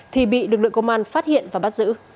thì bị lực lượng công an phát hiện và bắt giữ